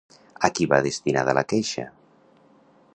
A qui va destinada la queixa?